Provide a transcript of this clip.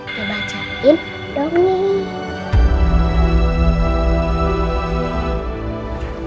dibacain dong nih